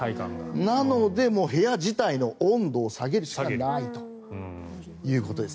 なので、部屋自体の温度を下げるしかないということです。